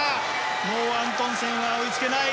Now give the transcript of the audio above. もうアントンセンは追いつけない！